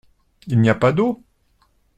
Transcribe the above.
Il n’y a pas d’eau ?